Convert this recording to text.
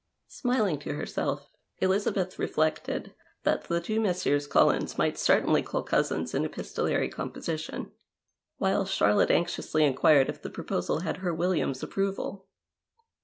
Smiling to herself, Elizabeth reflected that the two Messrs. Collins might certainly call cousins in epistolary composition, while Charlotte anxiously inquired if the proposal had her William's approval.